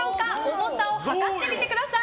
重さを量ってみてください！